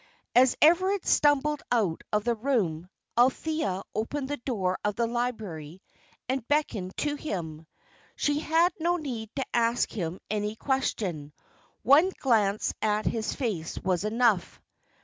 As Everard stumbled out of the room, Althea opened the door of the library and beckoned to him. She had no need to ask him any question; one glance at his face was enough.